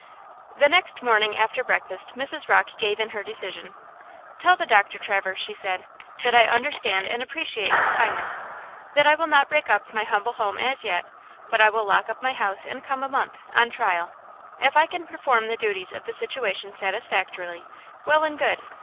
The next morning after breakfast Mrs. Rocke gave in her decision. "Tell the doctor, Traverse," she said, "that I understand and appreciate his kindness; that I will not break up my humble home as yet, but I will lock up my house and come a month, on trial. If I can perform the duties of the situation satisfactorily, well and good!